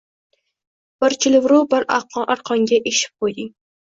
Bir chilviru bir arqonga eshib qoʼyding.